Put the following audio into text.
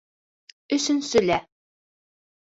— Өсөнсөлә.